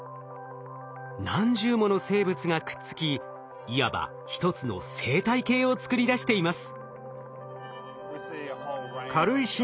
何十もの生物がくっつきいわばひとつの生態系を作り出しています。